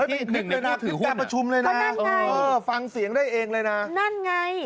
คุณแดงนักพิจารณ์ประชุมเลยนะฟังเสียงได้เองเลยนะ